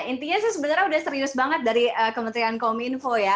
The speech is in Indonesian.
intinya sih sebenarnya udah serius banget dari kementerian kominfo ya